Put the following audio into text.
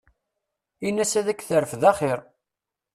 Ina-s ad k-terfed axir.